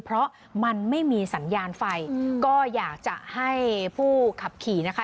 เพราะมันไม่มีสัญญาณไฟก็อยากจะให้ผู้ขับขี่นะคะ